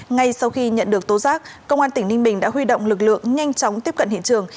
ngay sau khi nhận được tố giác công an tỉnh ninh bình đã huy động lực lượng nhanh chóng tiếp cận hiện trường